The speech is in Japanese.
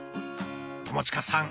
友近さん